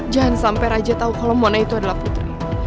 jangan sampai raja tahu kalau mona itu adalah putri